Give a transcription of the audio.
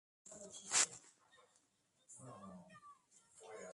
Ahora, muchos residentes poseen tiendas y restaurantes para turistas que van a la isla.